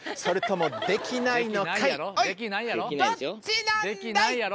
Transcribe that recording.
それともできないのかい？